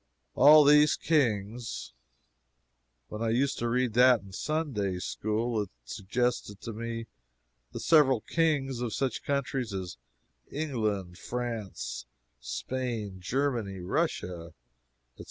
"All these kings." When I used to read that in Sunday School, it suggested to me the several kings of such countries as England, France, Spain, Germany, Russia, etc.